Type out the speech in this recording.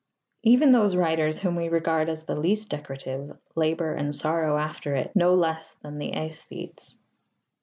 Even those writers whom we regard as the least decorative labour and sorrow after it no less than the æsthetes.